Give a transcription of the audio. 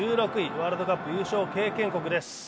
ワールドカップ優勝経験国です。